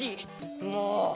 もう！